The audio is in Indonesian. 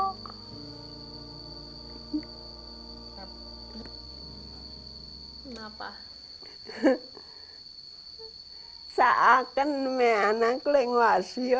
kasar karena dari perjalanan langsung ke masjid